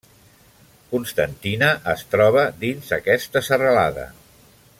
Constantina es troba dins aquesta serralada.